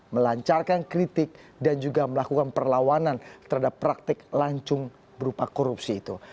melancarkan kritik dan juga melakukan perlawanan terhadap praktik lancung berupa korupsi itu